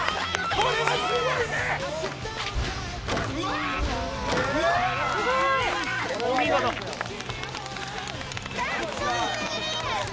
これはすごいね！